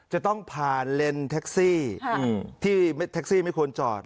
จะต้องผ่านเลนส์แท็กซี่ที่แท็กซี่ไม่ควรจอด